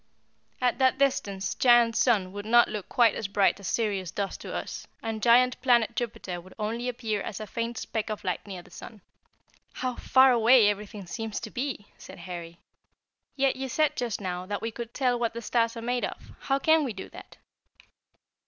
At that distance Giant Sun would not look quite as bright as Sirius does to us, and giant Planet Jupiter would only appear as a faint speck of light near the sun." "How far away everything seems to be!" said Harry. "Yet you said just now that we could tell what the stars are made of. How can we do that?"